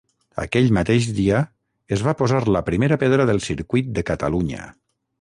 Aquell mateix dia, es va posar la primera pedra del Circuit de Catalunya.